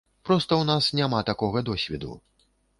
Проста ў нас няма такога досведу.